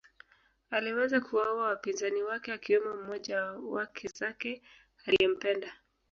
Aliweza kuwaua wapinzani wake akiwemo mmoja wa wake zake aliempenda